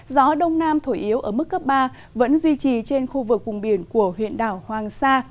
gió đông nam thổi yếu ở mức cấp ba vẫn duy trì trên khu vực vùng biển của huyện đảo hoàng sa